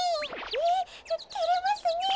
えってれますねえ。